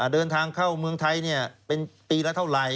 เดินทางเข้าเมืองไทยเป็นปีละเท่าไหร่